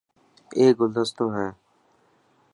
اي گلدستو هي.